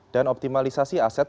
dan optimalisasi aset